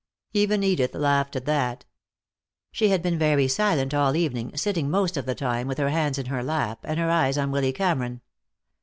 Even Edith laughed at that. She had been very silent all evening, sitting most of the time with her hands in her lap, and her eyes on Willy Cameron.